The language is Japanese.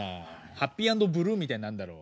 ハッピー＆ブルーみたいになんだろう。